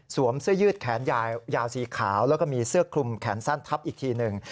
เสื้อยืดแขนยาวสีขาวแล้วก็มีเสื้อคลุมแขนสั้นทับอีกทีหนึ่ง